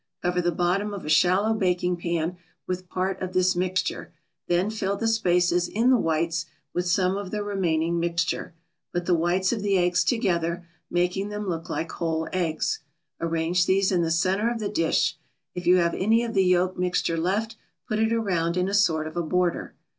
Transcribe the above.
Cover the bottom of a shallow baking pan with part of this mixture, then fill the spaces in the whites with some of the remaining mixture. Put the whites of the eggs together, making them look like whole eggs. Arrange these in the center of the dish. If you have any of the yolk mixture left, put it around in a sort of a border.